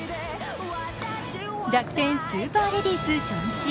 楽天スーパーレディース初日。